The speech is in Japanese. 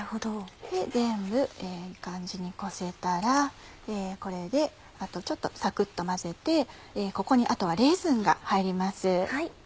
全部いい感じにこせたらこれであとちょっとサクっと混ぜてここにあとはレーズンが入ります。